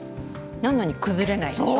なのに崩れないでしょ。